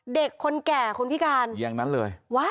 เด็กคนแก่คนพิการอย่างนั้นเลยเอาไปดูนะฮะ